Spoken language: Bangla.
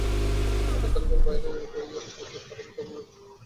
পাঠ্য তালিকার বাইরে বইয়ের বোঝার কারণে কোমলমতি শিক্ষার্থীদের ওপর মানসিক চাপ বাড়ছে।